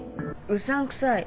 うさんくさい。